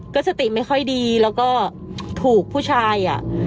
ก็สติไม่ค่อยดีแล้วก็ถูกผู้ชายอ่ะ